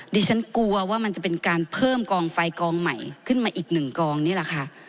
ดิฉันกลัวว่ามันจะเป็นการเพิ่มกองไฟกองใหม่ขึ้นมาอีกหนึ่งกองนี่แหละค่ะ